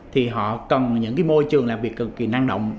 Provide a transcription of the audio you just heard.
thì họ cần những môi trường làm việc cực kỳ năng động